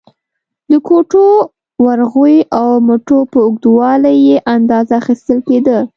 د ګوتو، ورغوي او مټو په اوږدوالي یې اندازه اخیستل کېده.